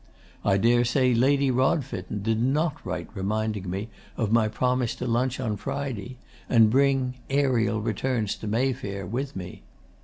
I daresay Lady Rodfitten did NOT write reminding me of my promise to lunch on Friday and bring "Ariel Returns to Mayfair" with me.